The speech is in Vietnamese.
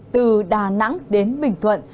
từ đà nẵng đến bình thuận